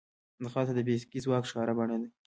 ځغاسته د فزیکي ځواک ښکاره بڼه ده